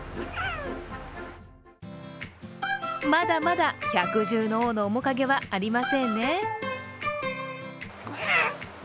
まだまだ百獣の王の面影はありませんね。